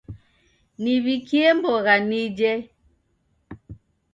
Niw'ikie mbogha nije.